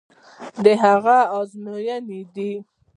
د هغه ازموینې دي.